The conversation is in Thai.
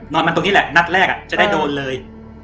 มาตรงนี้แหละนัดแรกจะได้โดนเลย